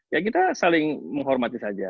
ya kita saling menghormati saja